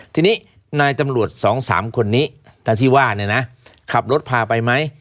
ทีนี้นายตำรวจ๒๓คนนี้ท่านศิเวอร์ขับรถพาไปไหม